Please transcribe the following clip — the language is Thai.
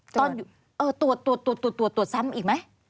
ตรวจตรวจตรวจตรวจตรวจซ้ำอีกไหม